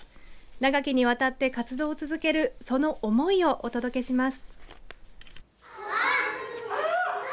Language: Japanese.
長きにわたって活動を続けるその思いをお届けします。